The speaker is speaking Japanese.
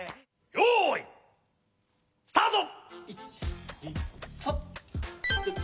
よいスタート！